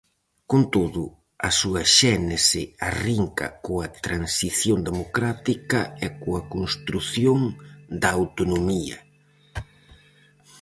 Con todo, a súa xénese arrinca coa transición democrática e coa construción da autonomía.